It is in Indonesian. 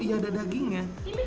kok iya ada dagingnya